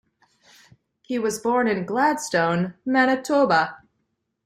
He was born in Gladstone, Manitoba.